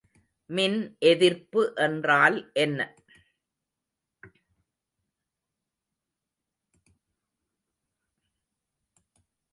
மின் எதிர்ப்பு என்றால் என்ன?